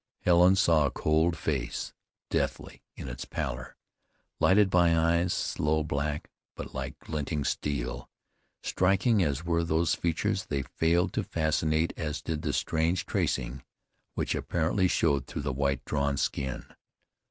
Helen saw a cold face, deathly in its pallor, lighted by eyes sloe black but like glinting steel. Striking as were these features, they failed to fascinate as did the strange tracings which apparently showed through the white, drawn skin.